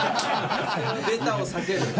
ベタを避ける。